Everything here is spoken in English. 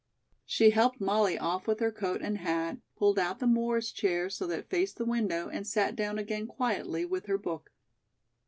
She helped Molly off with her coat and hat, pulled out the Morris chair so that it faced the window and sat down again quietly with her book.